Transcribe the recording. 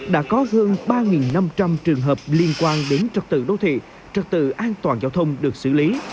đã có hơn ba năm trăm linh trường hợp liên quan đến trật tự đô thị trật tự an toàn giao thông được xử lý